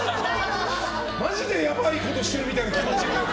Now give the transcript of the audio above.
マジでやばいことしてるみたいな感じ。